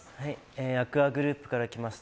アクアグループから来ました